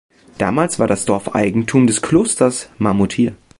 Damals war das Dorf Eigentum des Klosters Marmoutier.